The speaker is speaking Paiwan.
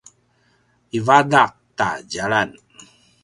ivadaq ta djalan